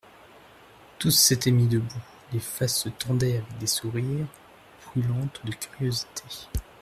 Tous s'étaient mis debout, les faces se tendaient avec des sourires, brûlantes de curiosité.